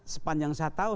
sepanjang saya tahu